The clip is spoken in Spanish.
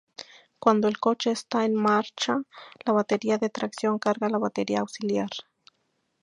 Cuando el coche está en marcha la batería de tracción carga la batería auxiliar.